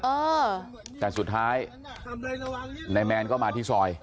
เออแต่สุดท้ายนายแมนก็มาที่ซอย